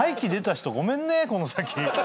この先。